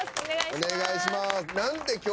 お願いします。